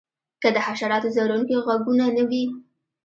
که د حشراتو ځورونکي غږونه نه وی